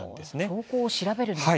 兆候を調べるんですか。